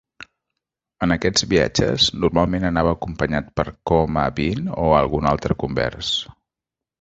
En aquests viatges, normalment anava acompanyat per Ko-mah-byn o algun altre convers.